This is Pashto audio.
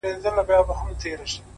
د حالاتو د گردو له تکثره’